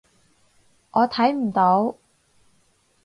我睇唔到